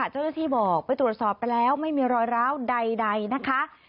เจ้าหน้าที่บอกไปตรวจสอบไปแล้วไม่มีรอยร้าวใดนะคะ